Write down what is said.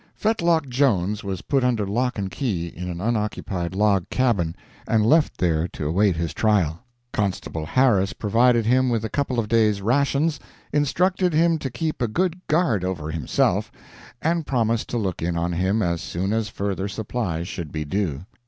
Fetlock Jones was put under lock and key in an unoccupied log cabin, and left there to await his trial. Constable Harris provided him with a couple of days' rations, instructed him to keep a good guard over himself, and promised to look in on him as soon as further supplies should be due.